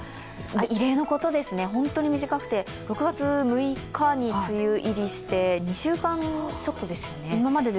異例のことですね、本当に短くで６月６日に梅雨入りして２週間ちょっとですよね。